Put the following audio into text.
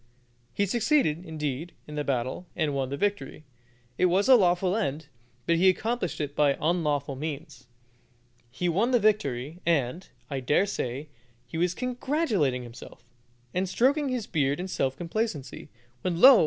He succeeded, indeed, in the battle, and won the victory. It was a lawful end, but he accomplished it by unlawful means. He won the victory, and, I dare say, he was congratulating himself, and stroking his beard in self complacency, when, lo!